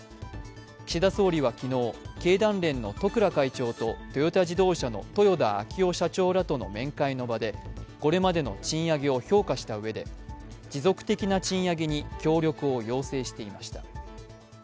岸田総理は昨日、経団連の十倉会長とトヨタ自動車の豊田章男社長らとの面会の場でこれまでの賃上げを評価したうえで持続的な賃上げに協力を要請していました。